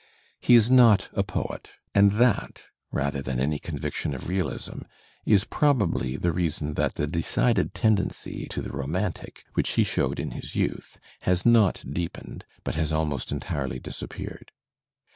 He is not a poet, and that, rather than any conviction of realism, is probably the reason that the decided tendency to the romantic which he showed in his youth has not deepened, but has almost entirely disappeared.